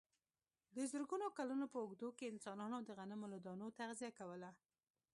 د زرګونو کلونو په اوږدو کې انسانانو د غنمو له دانو تغذیه کوله.